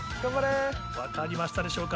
分かりましたでしょうか？